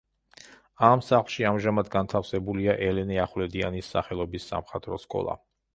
ამ სახლში ამჟამად განთავსებულია ელენე ახვლედიანის სახელობის სამხატვრო სკოლა.